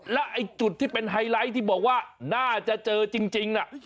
แล้วไอ้จุดที่เป็นไฮไลท์ที่บอกว่าน่าจะเจอจริงน่ะ